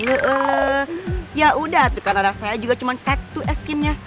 ee ee yaudah tuh kan anak saya juga cuman set tuh es krimnya